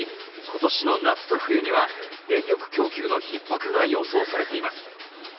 今年の夏と冬には電力供給のひっ迫が予想されています。